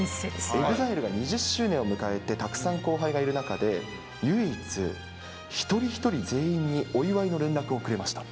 ＥＸＩＬＥが２０周年を迎えて、たくさん後輩がいる中で、唯一、一人一人全員にお祝いの連絡をくれました。